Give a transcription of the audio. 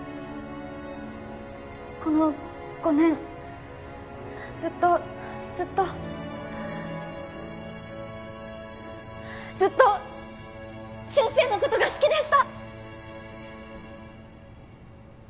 この５年ずっとずっとずっと先生のことが好きでした！